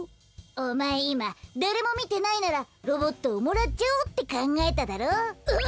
おまえいまだれもみてないならロボットをもらっちゃおうってかんがえただろ？